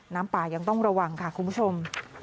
น้ำป่ายังต้องระวังค่ะคุณผู้ชม